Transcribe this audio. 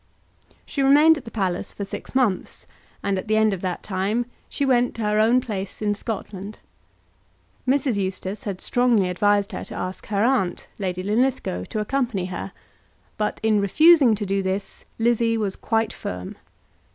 She remained at the palace for six months, and at the end of that time she went to her own place in Scotland. Mrs. Eustace had strongly advised her to ask her aunt, Lady Linlithgow, to accompany her, but in refusing to do this, Lizzie was quite firm.